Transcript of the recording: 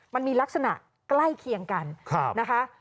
มันมีลักษณะใกล้เคียงกันนะคะ